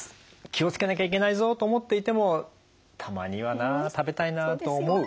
気をつけなきゃいけないぞと思っていてもたまにはな食べたいなと思う。